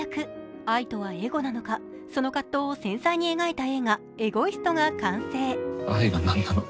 愛とはエゴなのか、その葛藤を繊細に描いた映画「エゴイスト」が完成。